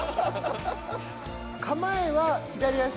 構えは左足。